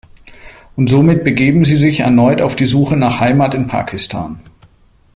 Und somit begeben sie sich erneut auf die Suche nach Heimat in Pakistan.